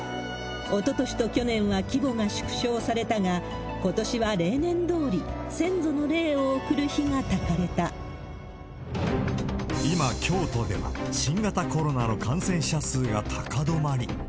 おととしと去年は規模が縮小されたが、ことしは例年どおり、今、京都では、新型コロナの感染者数が高止まり。